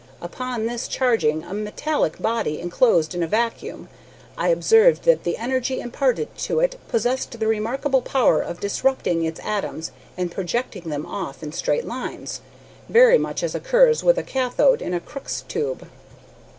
Upon thus charging a metallic body enclosed in a vacuum, I observed that the energy imparted to it possessed the remarkable power of disrupting its atoms and projecting them off in straight lines, very much as occurs with a kathode in a Crookes's tube.